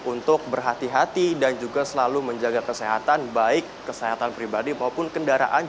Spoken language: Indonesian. untuk berhati hati dan juga selalu menjaga kesehatan baik kesehatan pribadi maupun kendaraan